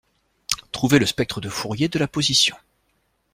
Trouvez le spectre de Fourier de la position